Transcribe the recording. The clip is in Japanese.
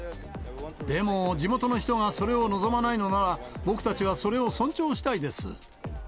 でも地元の人がそれを望まないのなら、僕たちはそれを尊重したいです。